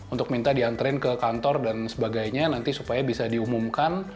untuk minta dianterin ke kantor dan sebagainya nanti supaya bisa diumumkan